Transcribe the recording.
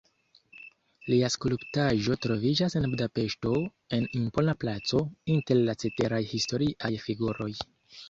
Lia skulptaĵo troviĝas en Budapeŝto en impona placo inter la ceteraj historiaj figuroj.